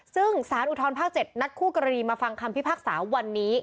ซึ่งสารอุทธรภาค๗นัดคู่กรณีมาฟังคำพิพากษาวันนี้